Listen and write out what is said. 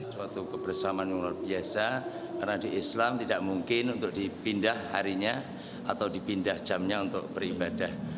suatu kebersamaan yang luar biasa karena di islam tidak mungkin untuk dipindah harinya atau dipindah jamnya untuk beribadah